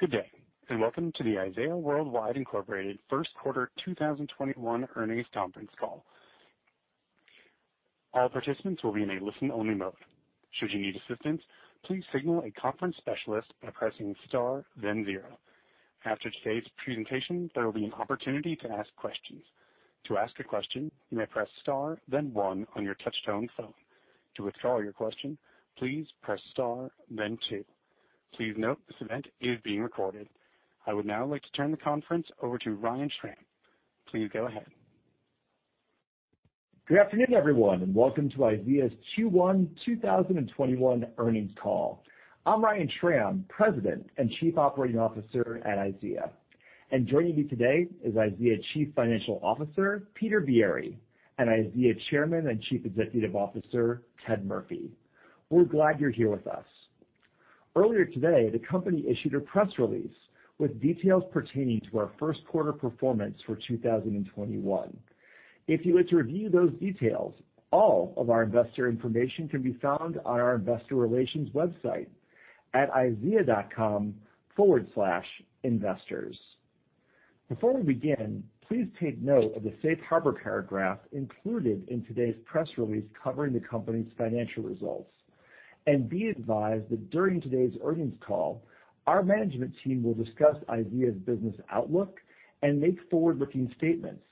Good day. Welcome to the IZEA Worldwide, Inc. Q1 2021 Earnings Conference Call. I would now like to turn the conference over to Ryan Schram. Please go ahead. Good afternoon, everyone. Welcome to IZEA's Q1 2021 earnings call. I'm Ryan Schram, President and Chief Operating Officer at IZEA. Joining me today is IZEA Chief Financial Officer, Peter Biere, and IZEA Chairman and Chief Executive Officer, Ted Murphy. We're glad you're here with us. Earlier today, the company issued a press release with details pertaining to our Q1 performance for 2021. If you would to review those details, all of our investor information can be found on our investor relations website at izea.com/investors. Before we begin, please take note of the safe harbor paragraph included in today's press release covering the company's financial results, and be advised that during today's earnings call, our management team will discuss IZEA's business outlook and make forward-looking statements.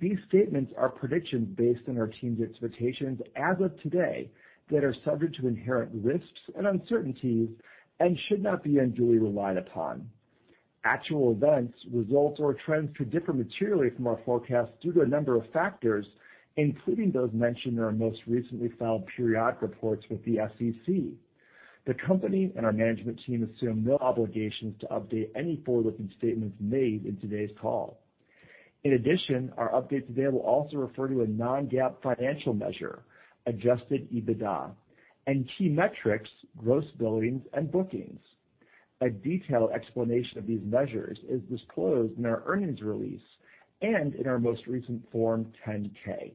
These statements are predictions based on our team's expectations as of today that are subject to inherent risks and uncertainties and should not be unduly relied upon. Actual events, results, or trends could differ materially from our forecasts due to a number of factors, including those mentioned in our most recently filed periodic reports with the SEC. The company and our management team assume no obligations to update any forward-looking statements made in today's call. In addition, our update today will also refer to a non-GAAP financial measure, adjusted EBITDA, and key metrics, gross billings and bookings. A detailed explanation of these measures is disclosed in our earnings release and in our most recent Form 10-K.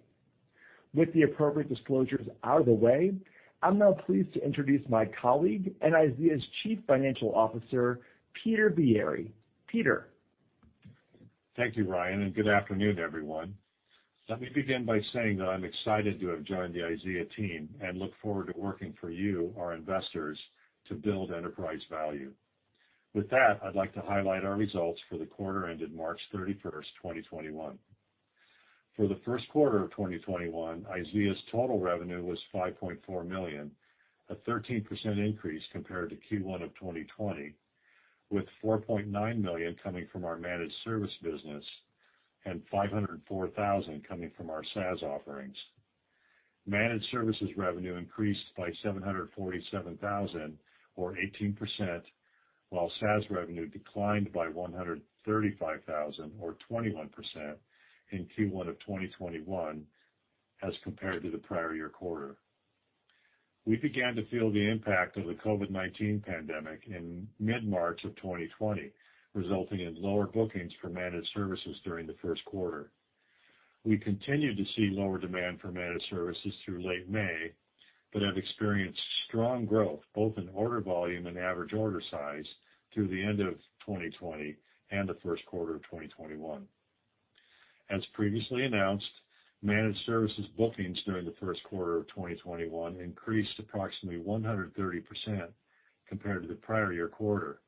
With the appropriate disclosures out of the way, I'm now pleased to introduce my colleague and IZEA's Chief Financial Officer, Peter Biere. Peter? Thank you, Ryan, and good afternoon, everyone. Let me begin by saying that I'm excited to have joined the IZEA team and look forward to working for you, our investors, to build enterprise value. With that, I'd like to highlight our results for the quarter ended March 31st, 2021. For the Q1 of 2021, IZEA's total revenue was $5.4 million, a 13% increase compared to Q1 of 2020, with $4.9 million coming from our managed service business and $504,000 coming from our SaaS offerings. Managed services revenue increased by $747,000 or 18%, while SaaS revenue declined by $135,000 or 21% in Q1 of 2021 as compared to the prior year quarter. We began to feel the impact of the COVID-19 pandemic in mid-March of 2020, resulting in lower bookings for managed services during the Q1. We continued to see lower demand for managed services through late May, but have experienced strong growth both in order volume and average order size through the end of 2020 and the Q1 of 2021. As previously announced, managed services bookings during the Q1 of 2021 increased approximately 130% compared to the prior year quarter.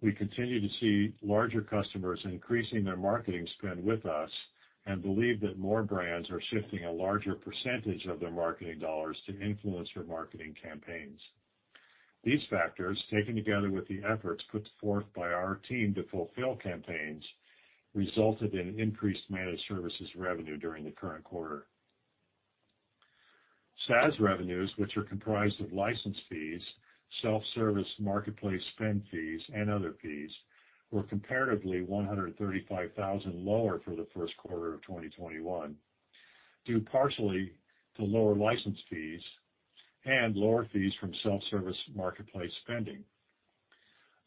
We continue to see larger customers increasing their marketing spend with us and believe that more brands are shifting a larger percentage of their marketing dollars to influencer marketing campaigns. These factors, taken together with the efforts put forth by our team to fulfill campaigns, resulted in increased managed services revenue during the current quarter. SaaS revenues, which are comprised of license fees, self-service marketplace spend fees, and other fees, were comparatively $135,000 lower for the first quarter of 2021, due partially to lower license fees and lower fees from self-service marketplace spending.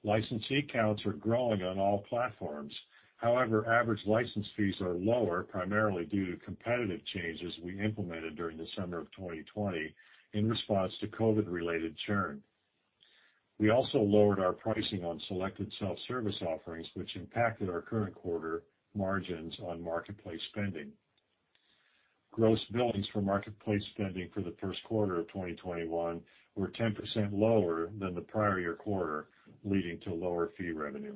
Licensee counts are growing on all platforms. However, average license fees are lower, primarily due to competitive changes we implemented during the summer of 2020 in response to COVID-19-related churn. We also lowered our pricing on selected self-service offerings, which impacted our current quarter margins on marketplace spending. Gross billings for marketplace spending for the Q1 of 2021 were 10% lower than the prior year quarter, leading to lower fee revenue.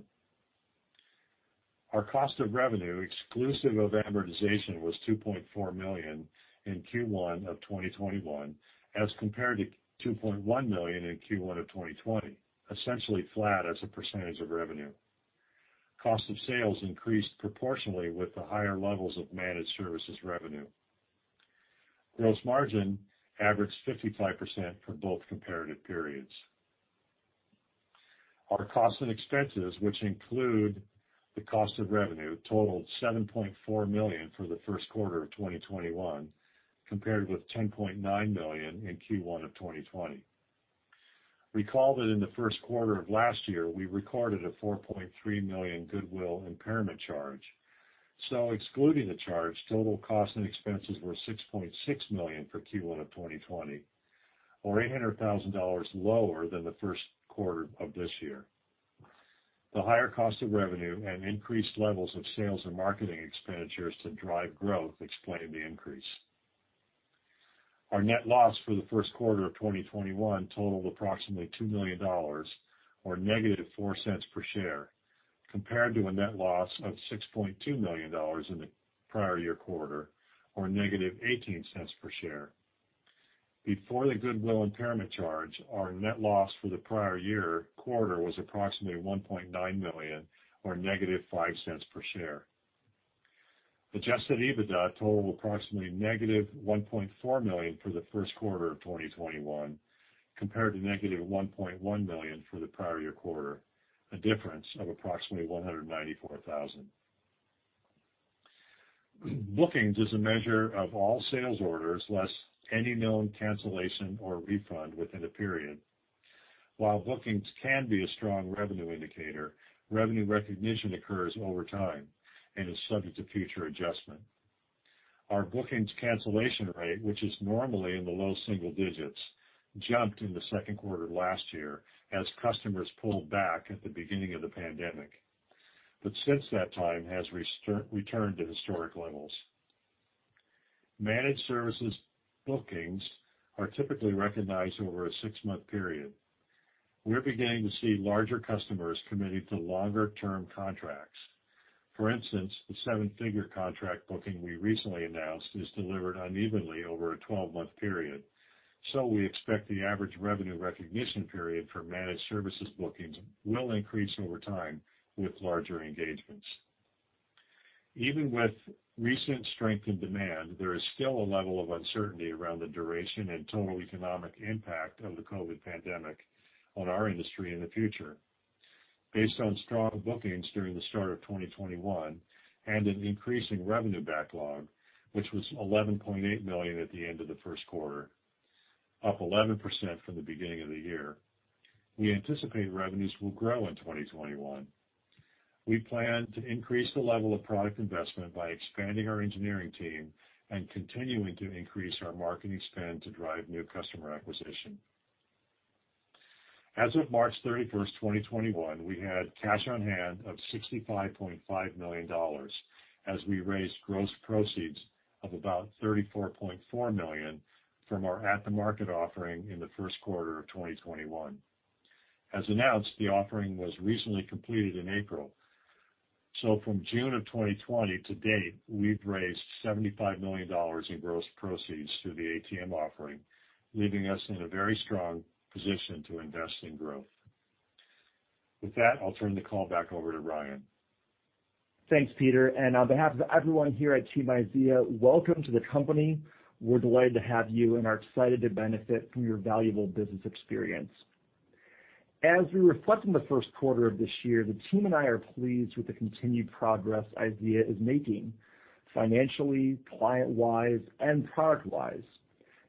Our cost of revenue, exclusive of amortization, was $2.4 million in Q1 of 2021 as compared to $2.1 million in Q1 of 2020, essentially flat as a percentage of revenue. Cost of sales increased proportionally with the higher levels of managed services revenue. Gross margin averaged 55% for both comparative periods. Our costs and expenses, which include the cost of revenue, totaled $7.4 million for the Q1 of 2021, compared with $10.9 million in Q1 of 2020. Recall that in the Q1 of last year, we recorded a $4.3 million goodwill impairment charge. Excluding the charge, total costs and expenses were $6.6 million for Q1 of 2020, or $800,000 lower than the Q1 of this year. The higher cost of revenue and increased levels of sales and marketing expenditures to drive growth explain the increase. Our net loss for the Q1 of 2021 totaled approximately $2 million, or -$0.04 per share, compared to a net loss of $6.2 million in the prior year quarter, or -$0.18 per share. Before the goodwill impairment charge, our net loss for the prior year quarter was approximately $1.9 million, or -$0.05 per share. Adjusted EBITDA totaled approximately -$1.4 million for the Q1 of 2021, compared to -$1.1 million for the prior year quarter, a difference of approximately $194,000. Bookings is a measure of all sales orders less any known cancellation or refund within a period. While bookings can be a strong revenue indicator, revenue recognition occurs over time and is subject to future adjustment. Our bookings cancellation rate, which is normally in the low single digits, jumped in the Q2 of last year as customers pulled back at the beginning of the pandemic, but since that time has returned to historic levels. Managed services bookings are typically recognized over a six-month period. We're beginning to see larger customers committing to longer-term contracts. For instance, the 7-figure contract booking we recently announced is delivered unevenly over a 12-month period, so we expect the average revenue recognition period for managed services bookings will increase over time with larger engagements. Even with recent strength in demand, there is still a level of uncertainty around the duration and total economic impact of the COVID-19 pandemic on our industry in the future. Based on strong bookings during the start of 2021 and an increasing revenue backlog, which was $11.8 million at the end of the Q1, up 11% from the beginning of the year, we anticipate revenues will grow in 2021. We plan to increase the level of product investment by expanding our engineering team and continuing to increase our marketing spend to drive new customer acquisition. As of March 31st, 2021, we had cash on hand of $65.5 million as we raised gross proceeds of about $34.4 million from our at-the-market offering in the Q1 of 2021. As announced, the offering was recently completed in April. From June of 2020 to date, we've raised $75 million in gross proceeds through the ATM offering, leaving us in a very strong position to invest in growth. With that, I'll turn the call back over to Ryan. Thanks, Peter, on behalf of everyone here at Team IZEA, welcome to the company. We're delighted to have you and are excited to benefit from your valuable business experience. As we reflect on the Q1 of this year, the team and I are pleased with the continued progress IZEA is making financially, client-wise, and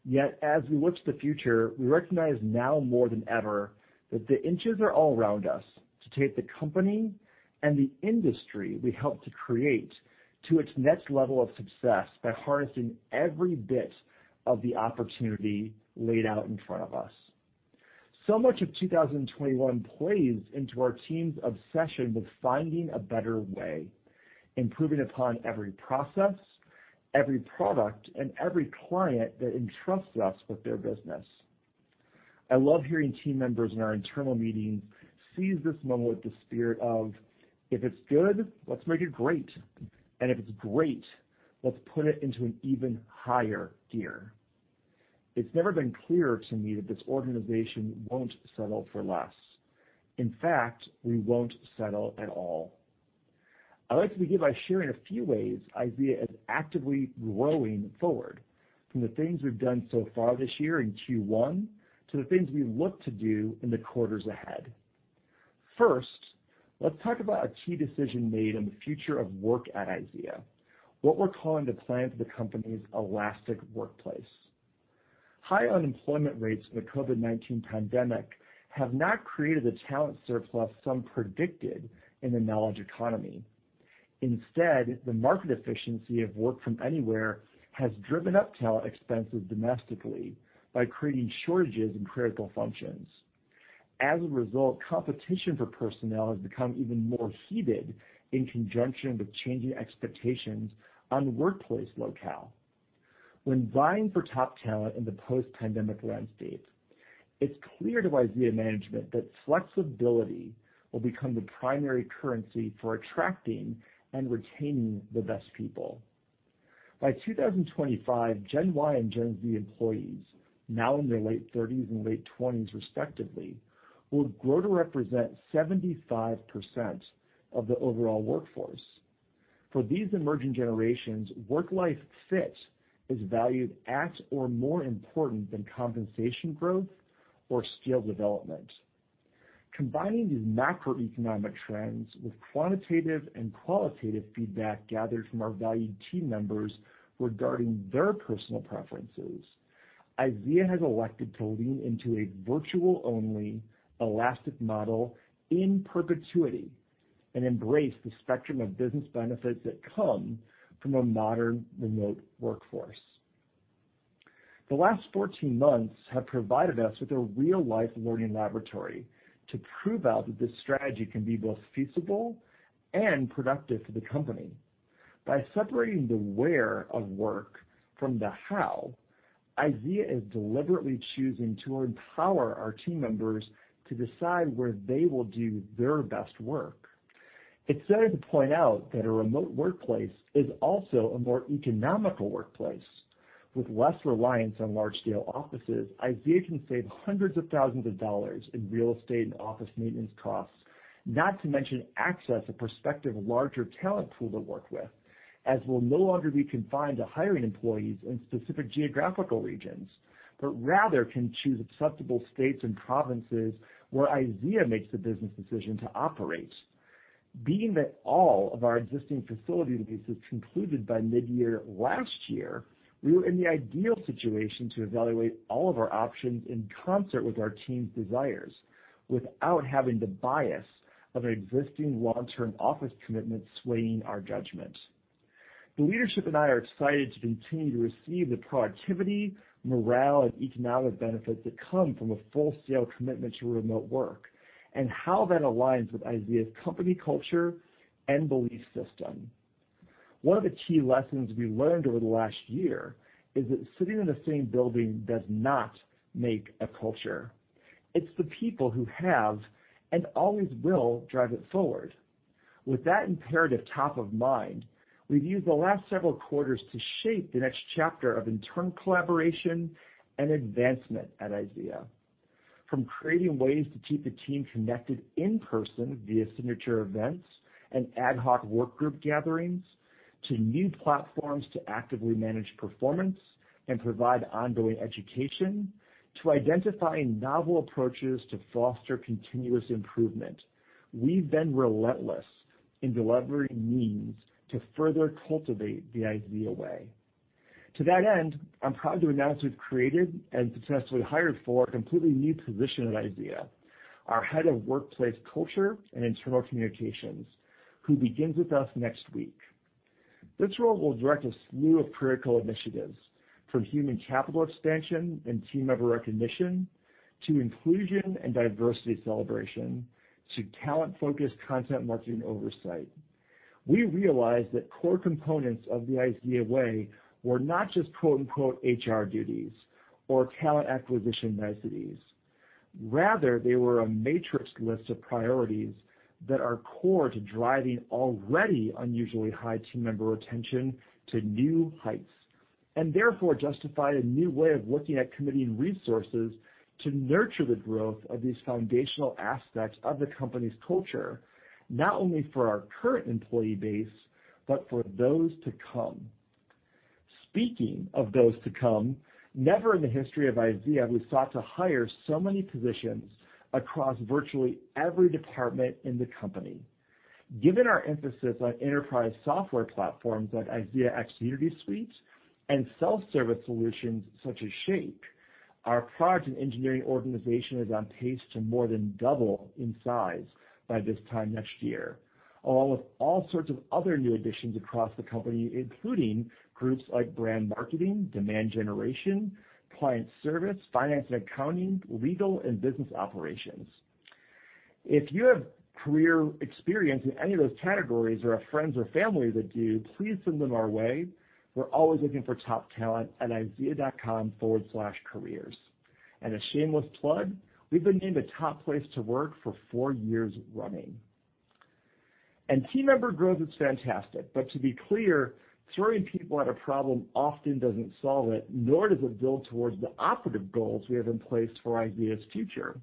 product-wise. As we look to the future, we recognize now more than ever that the inches are all around us to take the company and the industry we helped to create to its next level of success by harnessing every bit of the opportunity laid out in front of us. Much of 2021 plays into our team's obsession with finding a better way, improving upon every process, every product, and every client that entrusts us with their business. I love hearing team members in our internal meetings seize this moment with the spirit of, "If it's good, let's make it great. If it's great, let's put it into an even higher gear." It's never been clearer to me that this organization won't settle for less. In fact, we won't settle at all. I'd like to begin by sharing a few ways IZEA is actively growing forward from the things we've done so far this year in Q1 to the things we look to do in the quarters ahead. First, let's talk about a key decision made in the future of work at IZEA, what we're calling the plan for the company's elastic workplace. High unemployment rates from the COVID-19 pandemic have not created the talent surplus some predicted in the knowledge economy. Instead, the market efficiency of work from anywhere has driven up talent expenses domestically by creating shortages in critical functions. As a result, competition for personnel has become even more heated in conjunction with changing expectations on workplace locale. When vying for top talent in the post-pandemic landscape, it's clear to IZEA management that flexibility will become the primary currency for attracting and retaining the best people. By 2025, Gen Y and Gen Z employees, now in their late 30s and late 20s respectively, will grow to represent 75% of the overall workforce. For these emerging generations, work-life fit is valued at or more important than compensation growth or skill development. Combining these macroeconomic trends with quantitative and qualitative feedback gathered from our valued team members regarding their personal preferences, IZEA has elected to lean into a virtual-only elastic model in perpetuity and embrace the spectrum of business benefits that come from a modern remote workforce. The last 14 months have provided us with a real-life learning laboratory to prove that this strategy can be both feasible and productive for the company. By separating the where of work from the how, IZEA is deliberately choosing to empower our team members to decide where they will do their best work. It's fair to point out that a remote workplace is also a more economical workplace. With less reliance on large-scale offices, IZEA can save hundreds of thousands of dollars in real estate and office maintenance costs, not to mention access a prospective larger talent pool to work with, as we'll no longer be confined to hiring employees in specific geographical regions, but rather can choose acceptable states and provinces where IZEA makes the business decision to operate. Being that all of our existing facility leases concluded by mid-year last year, we were in the ideal situation to evaluate all of our options in concert with our team's desires without having the bias of an existing long-term office commitment swaying our judgment. The leadership and I are excited to continue to receive the productivity, morale, and economic benefits that come from a full-scale commitment to remote work and how that aligns with IZEA's company culture and belief system. One of the key lessons we learned over the last year is that sitting in the same building does not make a culture. It's the people who have and always will drive it forward. With that imperative top of mind, we've used the last several quarters to shape the next chapter of internal collaboration and advancement at IZEA. From creating ways to keep the team connected in person via signature events and ad hoc work group gatherings, to new platforms to actively manage performance and provide ongoing education, to identifying novel approaches to foster continuous improvement. We've been relentless in delivering means to further cultivate the IZEA way. To that end, I'm proud to announce we've created and successfully hired for a completely new position at IZEA, our Head of Workplace Culture and Internal Communications, who begins with us next week. This role will direct a slew of critical initiatives, from human capital expansion and team member recognition, to inclusion and diversity celebration, to talent-focused content marketing oversight. We realized that core components of the IZEA way were not just "HR duties" or talent acquisition niceties. Rather, they were a matrix list of priorities that are core to driving already unusually high team member retention to new heights, and therefore justify a new way of looking at committing resources to nurture the growth of these foundational aspects of the company's culture, not only for our current employee base, but for those to come. Speaking of those to come, never in the history of IZEA have we sought to hire so many positions across virtually every department in the company. Given our emphasis on enterprise software platforms like IZEAx Unity Suite and self-service solutions such as Shake, our product and engineering organization is on pace to more than double in size by this time next year, along with all sorts of other new additions across the company, including groups like brand marketing, demand generation, client service, finance and accounting, legal, and business operations. If you have career experience in any of those categories or have friends or family that do, please send them our way. We're always looking for top talent at izea.com/careers. A shameless plug, we've been named a top place to work for four years running. Team member growth is fantastic, but to be clear, throwing people at a problem often doesn't solve it, nor does it build towards the operative goals we have in place for IZEA's future.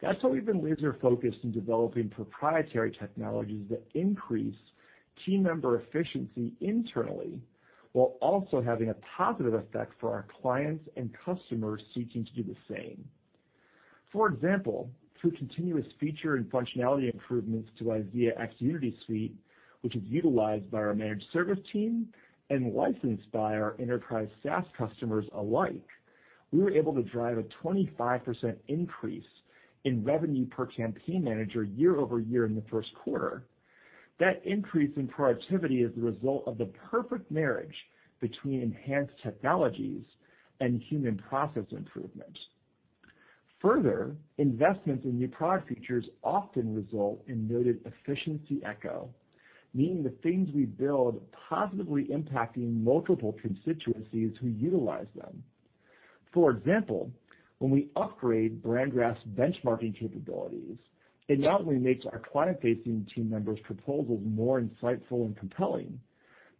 That's why we've been laser-focused on developing proprietary technologies that increase team member efficiency internally while also having a positive effect for our clients and customers seeking to do the same. For example, through continuous feature and functionality improvements to IZEAx Unity Suite, which is utilized by our managed service team and licensed by our enterprise SaaS customers alike, we were able to drive a 25% increase in revenue per campaign manager year-over-year in the Q1. That increase in productivity is the result of the perfect marriage between enhanced technologies and human process improvement. Investments in new product features often result in noted efficiency echo, meaning the things we build positively impacting multiple constituencies who utilize them. For example, when we upgrade BrandGraph's benchmarking capabilities, it not only makes our client-facing team members' proposals more insightful and compelling,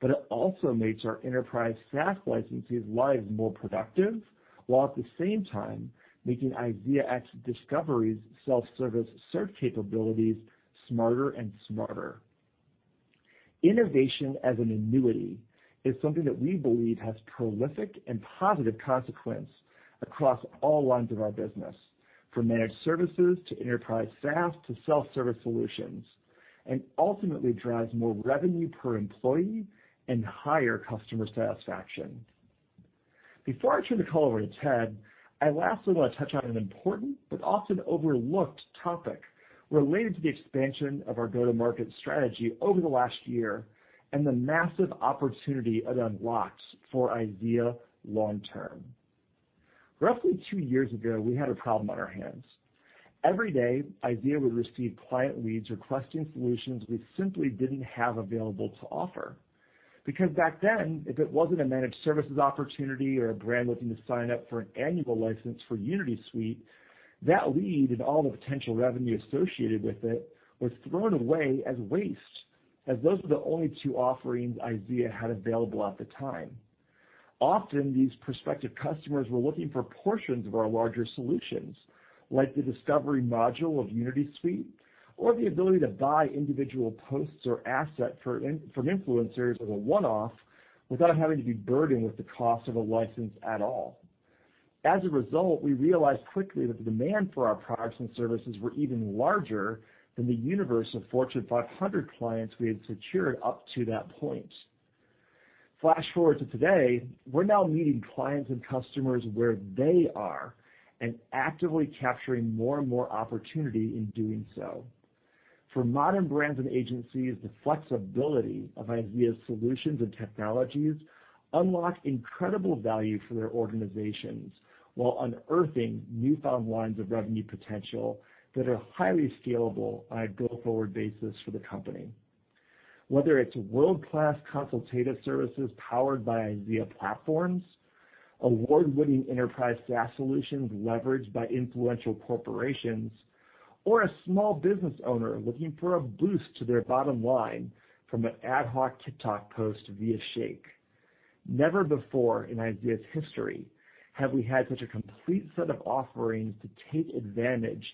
but it also makes our enterprise SaaS licensees' lives more productive, while at the same time making IZEAx Discovery's self-service search capabilities smarter and smarter. Innovation as an annuity is something that we believe has prolific and positive consequence across all lines of our business, from managed services to enterprise SaaS to self-service solutions. Ultimately drives more revenue per employee and higher customer satisfaction. Before I turn the call over to Ted, I lastly want to touch on an important but often overlooked topic related to the expansion of our go-to-market strategy over the last year and the massive opportunity it unlocks for IZEA long term. Roughly two years ago, we had a problem on our hands. Every day, IZEA would receive client leads requesting solutions we simply didn't have available to offer. Because back then, if it wasn't a managed services opportunity or a brand looking to sign up for an annual license for Unity Suite, that lead and all the potential revenue associated with it was thrown away as waste, as those were the only two offerings IZEA had available at the time. Often, these prospective customers were looking for portions of our larger solutions, like the discovery module of Unity Suite or the ability to buy individual posts or assets from influencers as a one-off without having to be burdened with the cost of a license at all. As a result, we realized quickly that the demand for our products and services were even larger than the universe of Fortune 500 clients we had secured up to that point. Flash forward to today, we're now meeting clients and customers where they are and actively capturing more and more opportunity in doing so. For modern brands and agencies, the flexibility of IZEA's solutions and technologies unlock incredible value for their organizations while unearthing newfound lines of revenue potential that are highly scalable on a go-forward basis for the company. Whether it's world-class consultative services powered by IZEA platforms, award-winning enterprise SaaS solutions leveraged by influential corporations, or a small business owner looking for a boost to their bottom line from an ad hoc TikTok post via Shake. Never before in IZEA's history have we had such a complete set of offerings to take advantage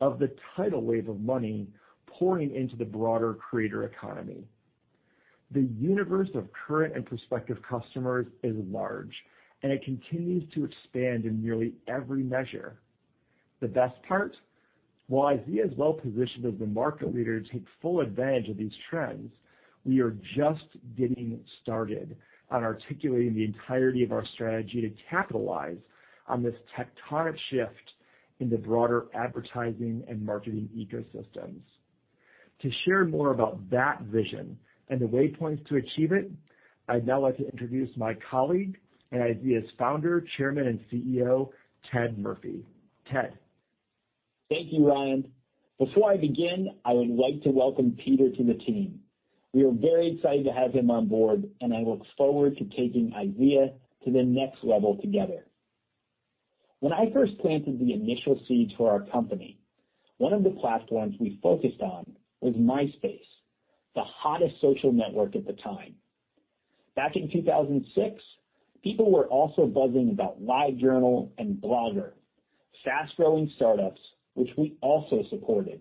of the tidal wave of money pouring into the broader creator economy. The universe of current and prospective customers is large, and it continues to expand in nearly every measure. The best part, while IZEA's well-positioned as the market leader to take full advantage of these trends, we are just getting started on articulating the entirety of our strategy to capitalize on this tectonic shift in the broader advertising and marketing ecosystems. To share more about that vision and the waypoints to achieve it, I'd now like to introduce my colleague and IZEA's founder, Chairman, and Chief Executive Officer, Ted Murphy. Ted? Thank you, Ryan. Before I begin, I would like to welcome Peter to the team. We are very excited to have him on board, and I look forward to taking IZEA to the next level together. When I first planted the initial seeds for our company, one of the platforms we focused on was Myspace, the hottest social network at the time. Back in 2006, people were also buzzing about LiveJournal and Blogger, fast-growing startups, which we also supported.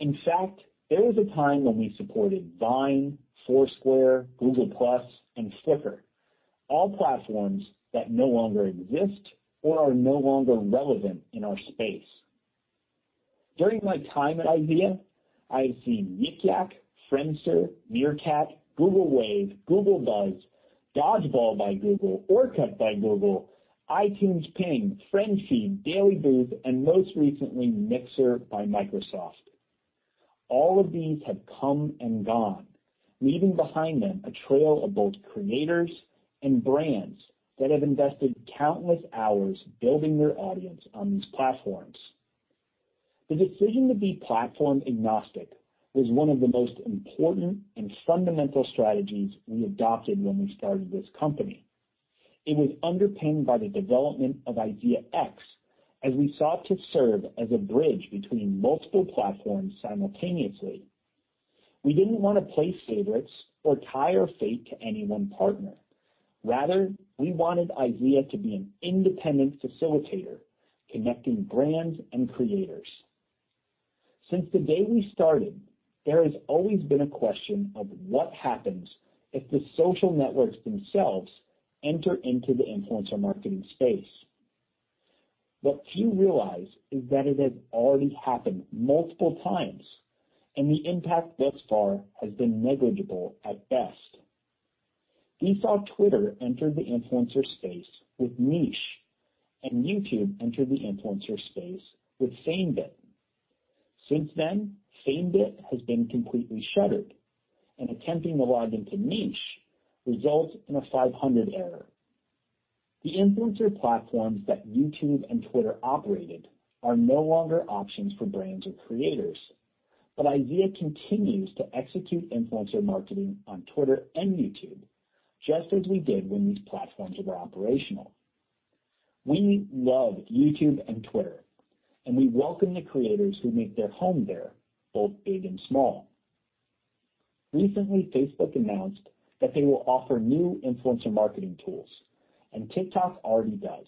In fact, there was a time when we supported Vine, Foursquare, Google+, and Flickr, all platforms that no longer exist or are no longer relevant in our space. During my time at IZEA, I have seen Yik Yak, Friendster, Meerkat, Google Wave, Google Buzz, Dodgeball by Google, Orkut by Google, iTunes Ping, FriendFeed, DailyBooth, and most recently, Mixer by Microsoft. All of these have come and gone, leaving behind them a trail of both creators and brands that have invested countless hours building their audience on these platforms. The decision to be platform-agnostic was one of the most important and fundamental strategies we adopted when we started this company. It was underpinned by the development of IZEAx as we sought to serve as a bridge between multiple platforms simultaneously. We didn't want to play favorites or tie our fate to any one partner. Rather, we wanted IZEA to be an independent facilitator, connecting brands and creators. Since the day we started, there has always been a question of what happens if the social networks themselves enter into the influencer marketing space. What few realize is that it has already happened multiple times, and the impact thus far has been negligible at best. We saw Twitter enter the influencer space with Niche, and YouTube enter the influencer space with FameBit. Since then, FameBit has been completely shuttered, and attempting to log into Niche results in a 500 error. The influencer platforms that YouTube and Twitter operated are no longer options for brands or creators, but IZEA continues to execute influencer marketing on Twitter and YouTube, just as we did when these platforms were operational. We love YouTube and Twitter, and we welcome the creators who make their home there, both big and small. Recently, Facebook announced that they will offer new influencer marketing tools, and TikTok already does.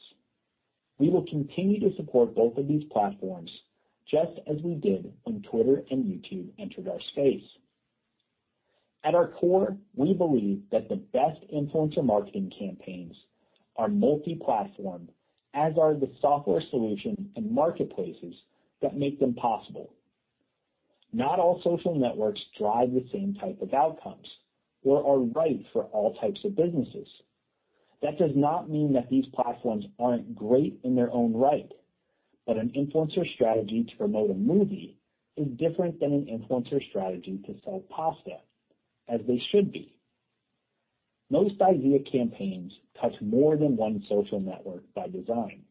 We will continue to support both of these platforms, just as we did when Twitter and YouTube entered our space. At our core, we believe that the best influencer marketing campaigns are multi-platform, as are the software solutions and marketplaces that make them possible. Not all social networks drive the same type of outcomes or are right for all types of businesses. That does not mean that these platforms aren't great in their own right, but an influencer strategy to promote a movie is different than an influencer strategy to sell pasta, as they should be. Most IZEA campaigns touch more than one social network by design.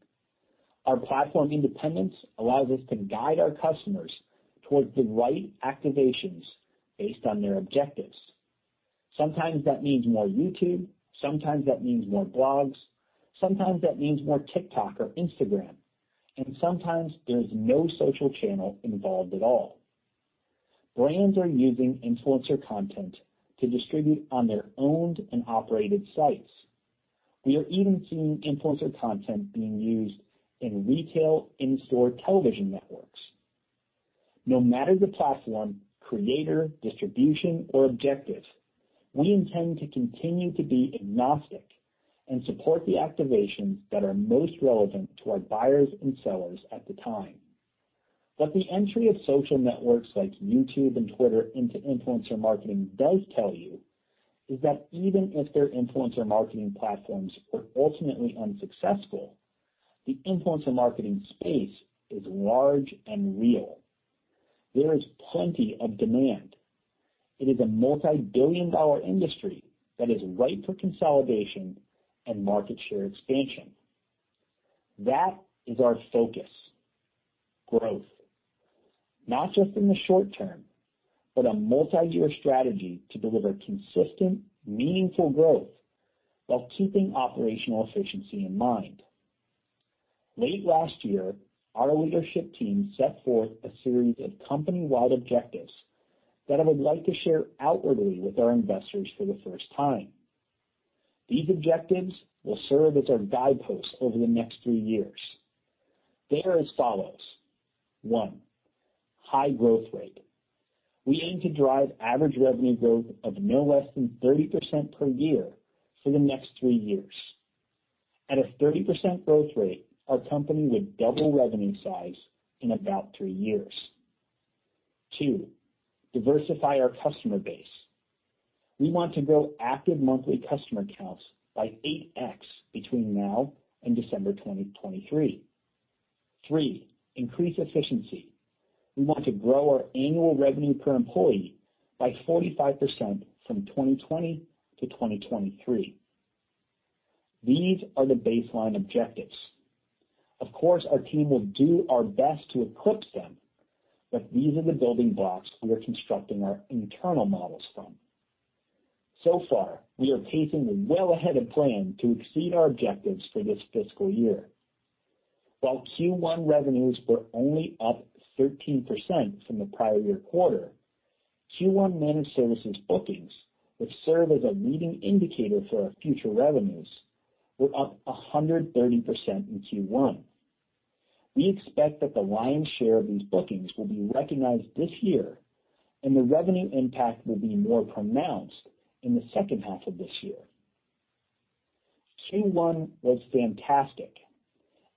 Our platform independence allows us to guide our customers towards the right activations based on their objectives. Sometimes that means more YouTube, sometimes that means more blogs, sometimes that means more TikTok or Instagram, and sometimes there's no social channel involved at all. Brands are using influencer content to distribute on their owned and operated sites. We are even seeing influencer content being used in retail in-store television networks. No matter the platform, creator, distribution, or objective, we intend to continue to be agnostic and support the activations that are most relevant to our buyers and sellers at the time. What the entry of social networks like YouTube and Twitter into influencer marketing does tell you is that even if their influencer marketing platforms are ultimately unsuccessful, the influencer marketing space is large and real. There is plenty of demand. It is a multi-billion-dollar industry that is ripe for consolidation and market share expansion. That is our focus, growth. Not just in the short term, but a multi-year strategy to deliver consistent, meaningful growth while keeping operational efficiency in mind. Late last year, our leadership team set forth a series of company-wide objectives that I would like to share outwardly with our investors for the first time. These objectives will serve as our guideposts over the next three years. They are as follows. One, high growth rate. We aim to drive average revenue growth of no less than 30% per year for the next three years. At a 30% growth rate, our company would double revenue size in about three years. Two, diversify our customer base. We want to grow active monthly customer counts by 8x between now and December 2023. Three, increase efficiency. We want to grow our annual revenue per employee by 45% from 2020-2023. These are the baseline objectives. Of course, our team will do our best to eclipse them, but these are the building blocks we are constructing our internal models from. So far, we are pacing well ahead of plan to exceed our objectives for this fiscal year. While Q1 revenues were only up 13% from the prior year quarter, Q1 managed services bookings, which serve as a leading indicator for our future revenues, were up 130% in Q1. We expect that the lion's share of these bookings will be recognized this year, and the revenue impact will be more pronounced in the second half of this year. Q1 was fantastic,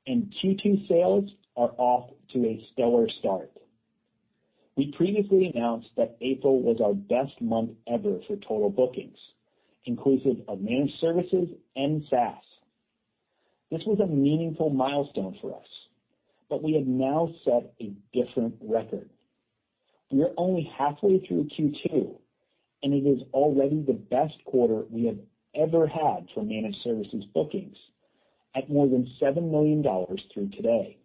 and Q2 sales are off to a stellar start. We previously announced that April was our best month ever for total bookings, inclusive of managed services and SaaS. This was a meaningful milestone for us, but we have now set a different record. We are only halfway through Q2, and it is already the best quarter we have ever had for managed services bookings at more than $7 million through today.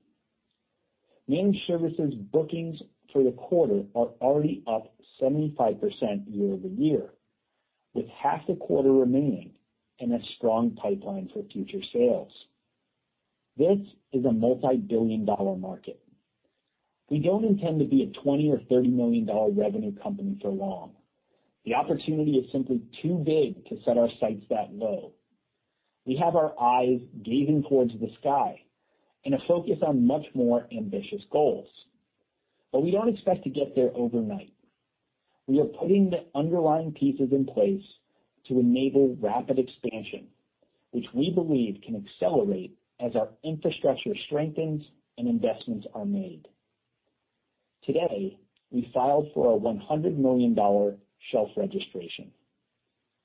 Managed services bookings for the quarter are already up 75% year-over-year, with half the quarter remaining and a strong pipeline for future sales. This is a multi-billion-dollar market. We don't intend to be a $20 million or $30 million revenue company for long. The opportunity is simply too big to set our sights that low. We have our eyes gazing towards the sky and a focus on much more ambitious goals. We don't expect to get there overnight. We are putting the underlying pieces in place to enable rapid expansion, which we believe can accelerate as our infrastructure strengthens and investments are made. Today, we filed for a $100 million shelf registration.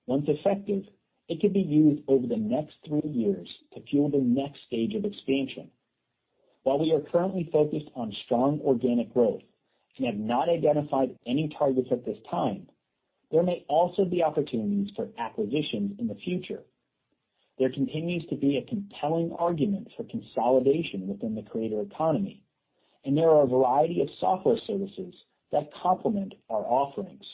Once effective, it could be used over the next three years to fuel the next stage of expansion. While we are currently focused on strong organic growth and have not identified any targets at this time, there may also be opportunities for acquisitions in the future. There continues to be a compelling argument for consolidation within the creator economy, and there are a variety of software services that complement our offerings.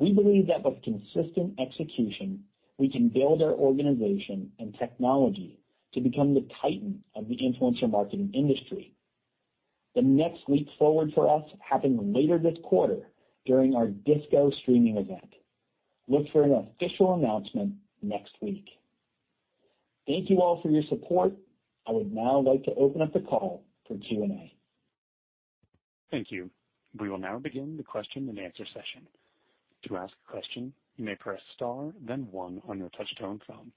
We believe that with consistent execution, we can build our organization and technology to become the titan of the influencer marketing industry. The next leap forward for us happens later this quarter during our Disco Streaming event. Look for an official announcement next week. Thank you all for your support. I would now like to open up the call for Q&A. Thank you. We will now begin the question and answer session. To ask a question, you may press star then one on your touch-tone phone.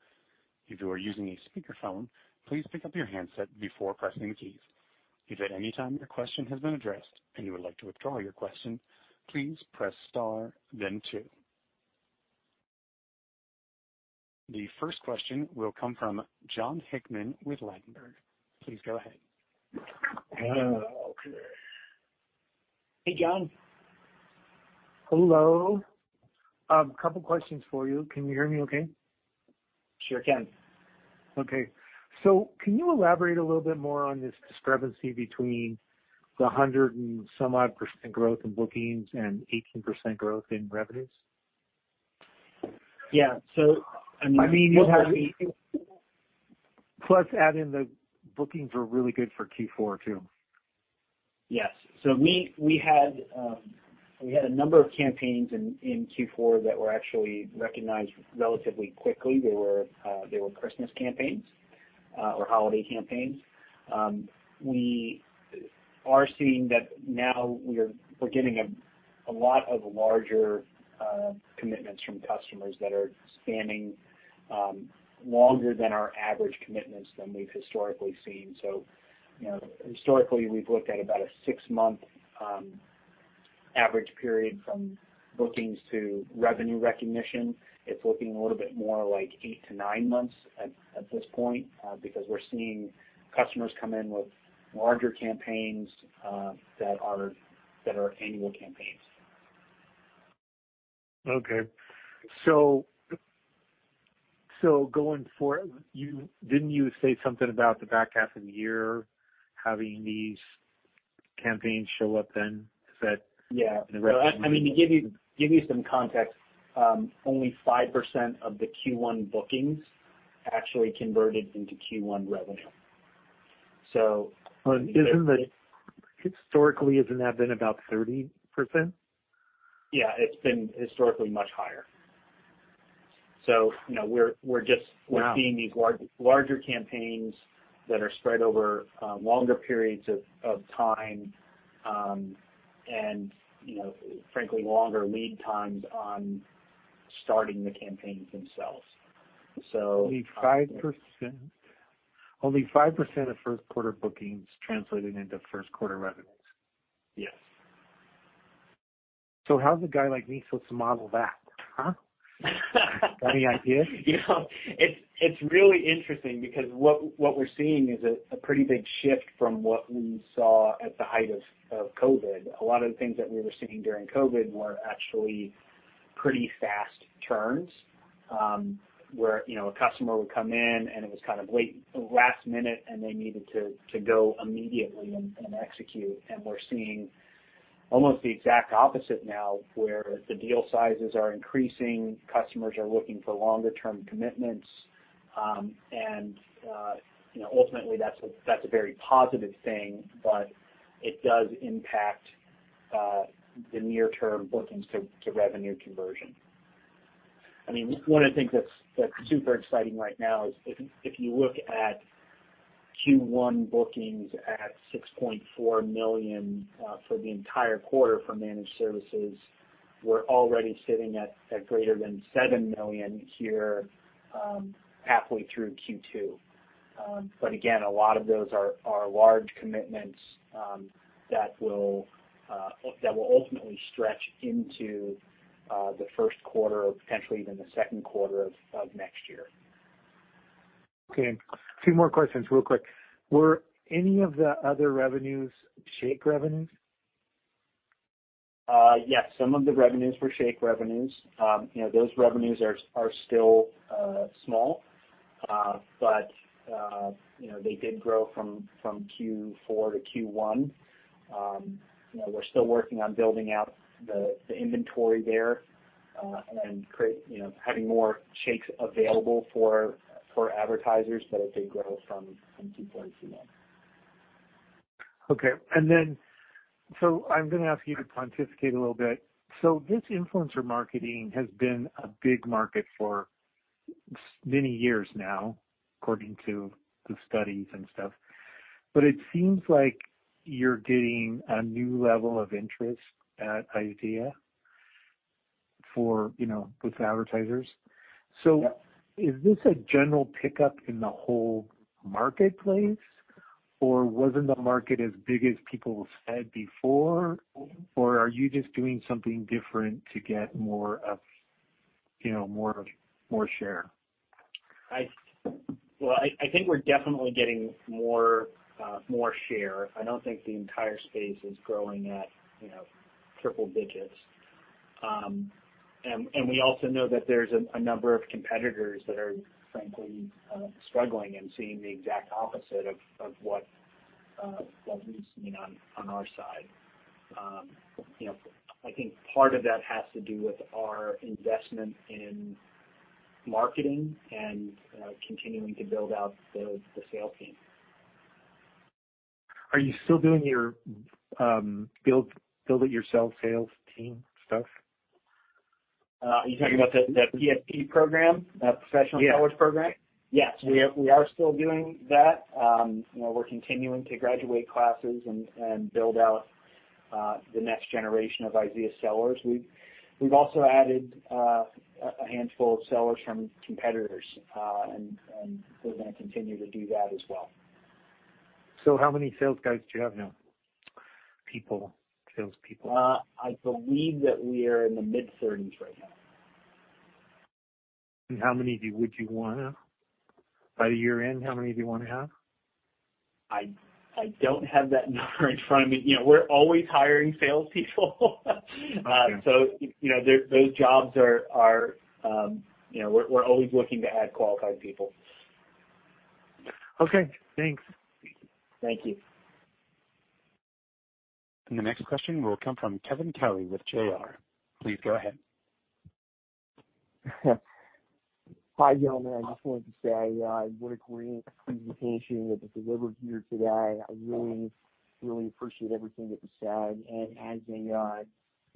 If you are using a speakerphone, please pick up your handset before pressing the keys. If at any time your question has been addressed and you would like to withdraw your question, please press star then two. The first question will come from John Hickman with Ladenburg. Please go ahead. Hey, John. Hello. A couple questions for you. Can you hear me okay? Sure can. Okay. Can you elaborate a little bit more on this discrepancy between the 100 and some odd % growth in bookings and 18% growth in revenues? Yeah. I mean, plus add in the bookings were really good for Q4 too. Yes. We had a number of campaigns in Q4 that were actually recognized relatively quickly. They were Christmas campaigns, or holiday campaigns. We are seeing that now we're getting a lot of larger commitments from customers that are spanning longer than our average commitments than we've historically seen. Historically we've looked at about a six-month average period from bookings to revenue recognition. It's looking a little bit more like eight to nine months at this point, because we're seeing customers come in with larger campaigns, that are annual campaigns. Okay. Didn't you say something about the back half of the year having these campaigns show up then? Is that? Yeah. The recommendation? To give you some context, only 5% of the Q1 bookings actually converted into Q1 revenue. Historically, hasn't that been about 30%? Yeah, it's been historically much higher. Wow. We're seeing these larger campaigns that are spread over longer periods of time, and frankly, longer lead times on starting the campaigns themselves. Only 5% of Q1 bookings translated into Q1 revenues. Yes. How's a guy like me supposed to model that? Huh? Any idea? It's really interesting because what we're seeing is a pretty big shift from what we saw at the height of COVID-19. A lot of the things that we were seeing during COVID-19 were actually pretty fast turns, where a customer would come in, and it was kind of late, last minute, and they needed to go immediately and execute. We're seeing almost the exact opposite now, where the deal sizes are increasing. Customers are looking for longer term commitments. Ultimately that's a very positive thing, but it does impact the near term bookings to revenue conversion. One of the things that's super exciting right now is if you look at Q1 bookings at $6.4 million for the entire quarter for managed services, we're already sitting at greater than $7 million here, halfway through Q2. Again, a lot of those are large commitments that will ultimately stretch into the Q1 or potentially even the Q2 of next year. Okay. Two more questions real quick. Were any of the other revenues Shake revenues? Yes, some of the revenues were Shake revenues. Those revenues are still small. They did grow from Q4 to Q1. We're still working on building out the inventory there, and having more Shakes available for advertisers, but they grew from Q4 to now. Okay. I'm going to ask you to pontificate a little bit. This influencer marketing has been a big market for many years now, according to the studies and stuff. It seems like you're getting a new level of interest at IZEA with advertisers. Yeah. Is this a general pickup in the whole marketplace, or wasn't the market as big as people said before? Or are you just doing something different to get more share? Well, I think we're definitely getting more share. I don't think the entire space is growing at triple digits. We also know that there's a number of competitors that are frankly, struggling and seeing the exact opposite of what we've seen on our side. I think part of that has to do with our investment in marketing and continuing to build out the sales team. Are you still doing your build-it-yourself sales team stuff? You talking about the PSP program? Professional Sellers Program? Yeah. Yes, we are still doing that. We're continuing to graduate classes and build out the next generation of IZEA sellers. We've also added a handful of sellers from competitors. We're going to continue to do that as well. How many sales guys do you have now? People, salespeople. I believe that we are in the mid-30s right now. How many would you want to have? By the year-end, how many do you want to have? I don't have that number in front of me. We're always hiring sales people. Okay. We're always looking to add qualified people. Okay, thanks. Thank you. The next question will come from Kevin Kelly with Private Investor. Please go ahead. Hi, gentlemen. I just wanted to say, what a great presentation that was delivered here today. I really appreciate everything that was said. As a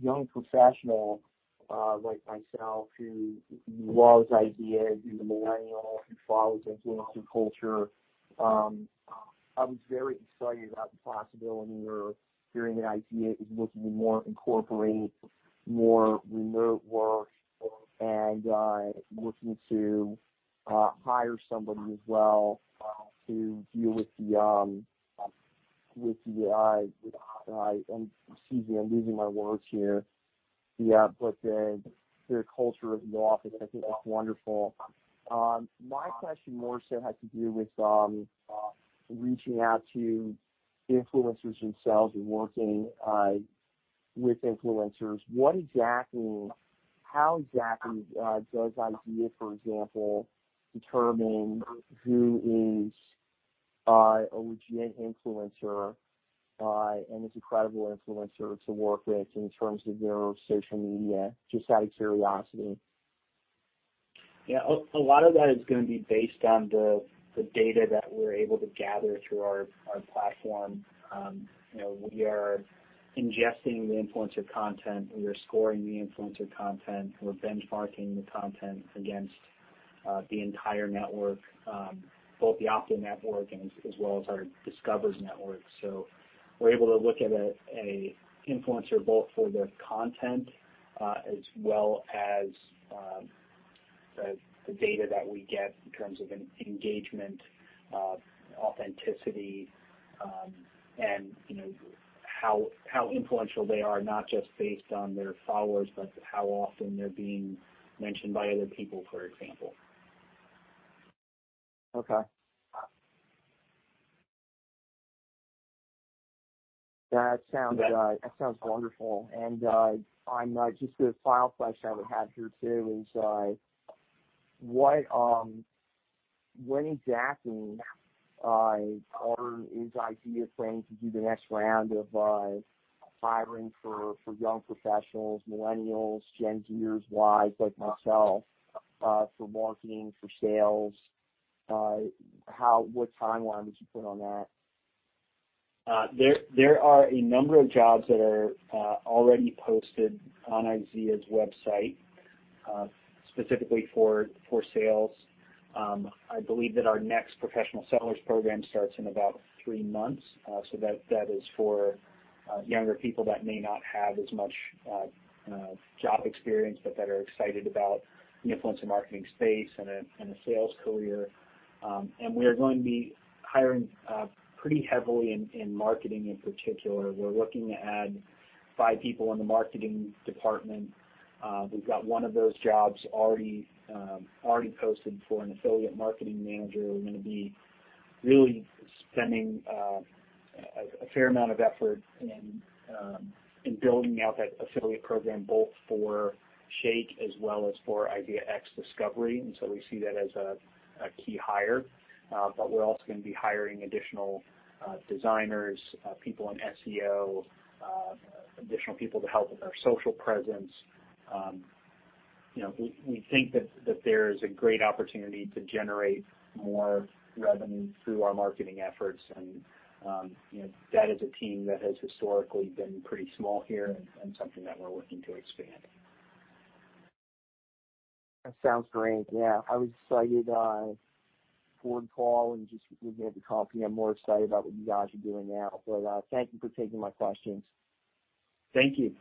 young professional, like myself, who loves IZEA, who's a millennial, who follows influencer culture, I was very excited about the possibility we're hearing that IZEA is looking to incorporate more remote work and looking to hire somebody as well, to deal with the Excuse me, I'm losing my words here. The clear culture of the office, I think that's wonderful. My question more so has to do with reaching out to influencers themselves and working with influencers. What exactly, how exactly does IZEA, for example, determine who is a legit influencer and is a credible influencer to work with in terms of their social media? Just out of curiosity. Yeah, a lot of that is going to be based on the data that we're able to gather through our platform. We are ingesting the influencer content. We are scoring the influencer content. We're benchmarking the content against the entire network, both the Optinetwork and as well as our Discovery's network. We're able to look at a influencer both for their content, as well as the data that we get in terms of engagement, authenticity, and how influential they are, not just based on their followers, but how often they're being mentioned by other people, for example. Okay. That sounds wonderful. Just a final question I would have here, too, is when exactly is IZEA planning to do the next round of hiring for young professionals, millennials, Gen Z'ers, Y's like myself, for marketing, for sales? What timeline would you put on that? There are a number of jobs that are already posted on IZEA's website, specifically for sales. I believe that our next Professional Sellers Program starts in about three months. That is for younger people that may not have as much job experience, but that are excited about the influencer marketing space and a sales career. We are going to be hiring pretty heavily in marketing in particular. We're looking to add five people in the marketing department. We've got one of those jobs already posted for an affiliate marketing manager. We're going to be really spending a fair amount of effort in building out that affiliate program, both for Shake as well as for IZEAx Discovery, and so we see that as a key hire. We're also going to be hiring additional designers, people in SEO, additional people to help with our social presence. We think that there's a great opportunity to generate more revenue through our marketing efforts. That is a team that has historically been pretty small here and something that we're looking to expand. That sounds great. Yeah. I was excited for the call and just looking at the copy. I'm more excited about what you guys are doing now. Thank you for taking my questions. Thank you.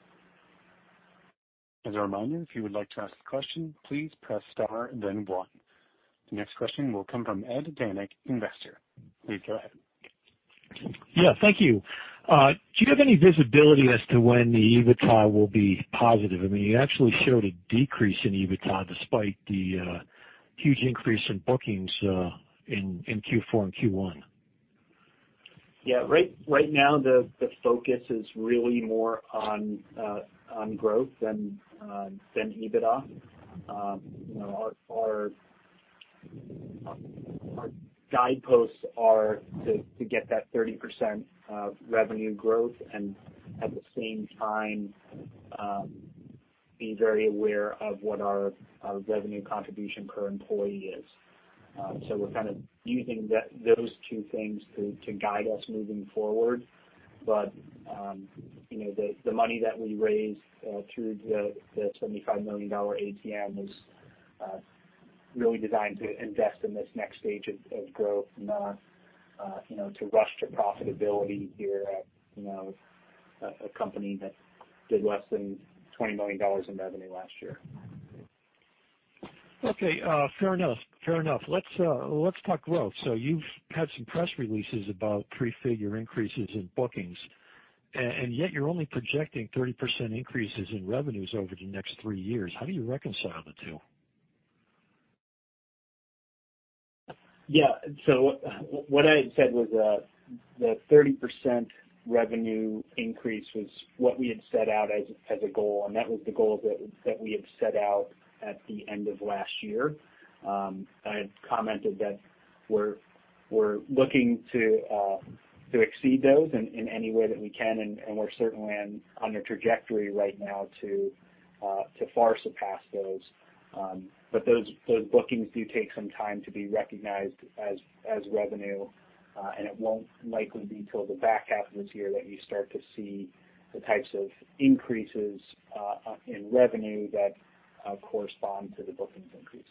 As a reminder, if you would like to ask a question, please press star and then one. The next question will come from Ed Dank, Investor. Please go ahead. Yeah, thank you. Do you have any visibility as to when the EBITDA will be positive? I mean, you actually showed a decrease in EBITDA despite the huge increase in bookings, in Q4 and Q1. Yeah. Right now, the focus is really more on growth than EBITDA. Our guideposts are to get that 30% revenue growth and at the same time be very aware of what our revenue contribution per employee is. We're kind of using those two things to guide us moving forward. The money that we raised through the $75 million ATM was really designed to invest in this next stage of growth, not to rush to profitability here at a company that did less than $20 million in revenue last year. Okay. Fair enough. Let's talk growth. You've had some press releases about three-figure increases in bookings, and yet you're only projecting 30% increases in revenues over the next three years. How do you reconcile the two? What I had said was that 30% revenue increase was what we had set out as a goal, and that was the goal that we had set out at the end of last year. I had commented that we're looking to exceed those in any way that we can, and we're certainly on a trajectory right now to far surpass those. Those bookings do take some time to be recognized as revenue. It won't likely be till the back half of this year that you start to see the types of increases in revenue that correspond to the bookings increases.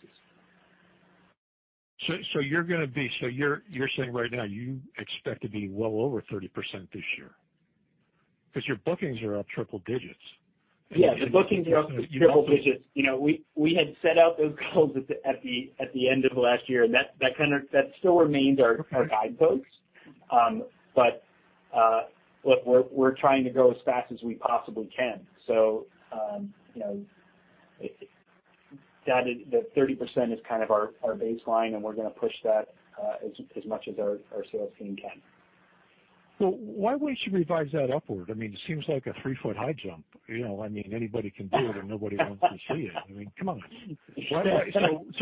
You're saying right now, you expect to be well over 30% this year, because your bookings are up triple digits. Yeah. The bookings are up triple digits. We had set out those goals at the end of last year, and that still remains our guideposts. Look, we're trying to grow as fast as we possibly can. The 30% is kind of our baseline, and we're going to push that as much as our sales team can. Why wouldn't you revise that upward? It seems like a three-foot high jump. I mean, anybody can do it, and nobody wants to see it. I mean, come on.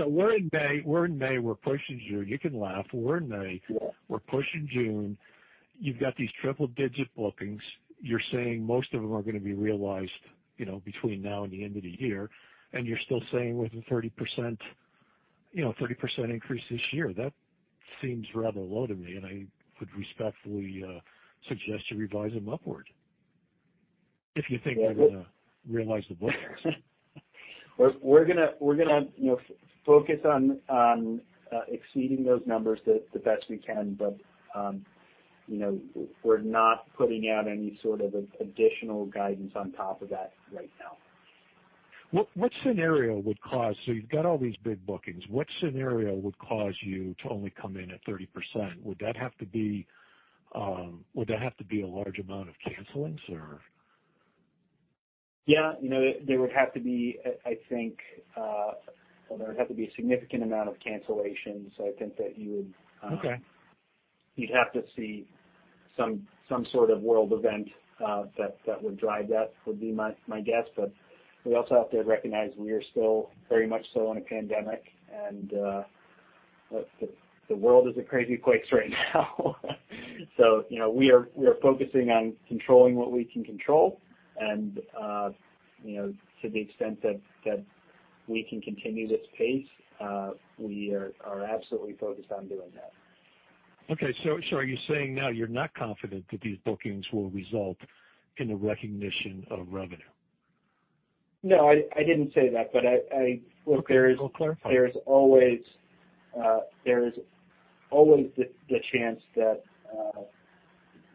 We're in May, we're pushing June. You can laugh. We're in May. We're pushing June. You've got these triple-digit bookings. You're saying most of them are going to be realized between now and the end of the year. And you're still saying within 30% increase this year. That seems rather low to me, and I would respectfully suggest you revise them upward, if you think you're going to realize the bookings. We're going to focus on exceeding those numbers the best we can. We're not putting out any sort of additional guidance on top of that right now. You've got all these big bookings. What scenario would cause you to only come in at 30%? Would that have to be a large amount of cancellations, or? Yeah. There would have to be, I think, a significant amount of cancellations. Okay. You'd have to see some sort of world event that would drive that, would be my guess. We also have to recognize we are still very much so in a pandemic, and the world is a crazy place right now. We are focusing on controlling what we can control and to the extent that we can continue this pace, we are absolutely focused on doing that. Are you saying now you're not confident that these bookings will result in the recognition of revenue? No, I didn't say that. Okay. We'll clarify. There is always the chance that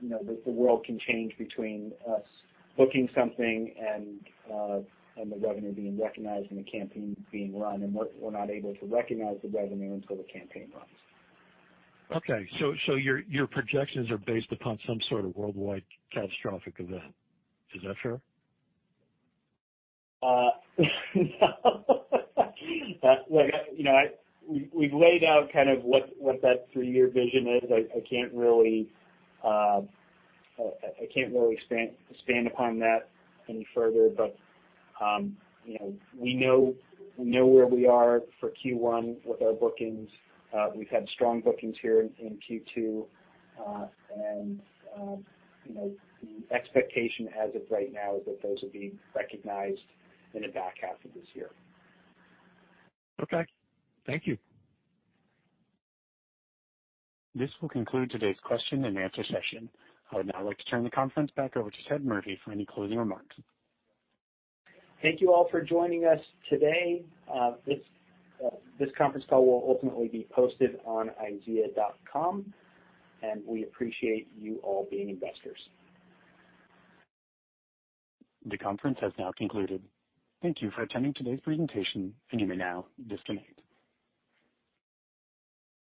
the world can change between us booking something and the revenue being recognized and the campaign being run, and we are not able to recognize the revenue until the campaign runs. Okay. Your projections are based upon some sort of worldwide catastrophic event. Is that fair? We've laid out kind of what that three-year vision is. I can't really expand upon that any further. We know where we are for Q1 with our bookings. We've had strong bookings here in Q2. The expectation as of right now is that those will be recognized in the back half of this year. Okay. Thank you. This will conclude today's question and answer session. I would now like to turn the conference back over to Ted Murphy for any closing remarks. Thank you all for joining us today. This conference call will ultimately be posted on izea.com, and we appreciate you all being investors. The conference has now concluded. Thank you for attending today's presentation, and you may now disconnect.